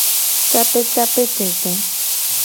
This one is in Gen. Capecapetete.